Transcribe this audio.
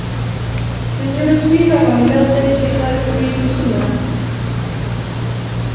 د زړه سوي هغه ملت دی چي یې خلک وي پسونه